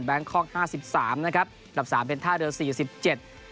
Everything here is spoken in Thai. แบรนด์คอล์กห้าสิบสามนะครับอันดับสามเป็นท่าเดินสี่สิบเจ็ด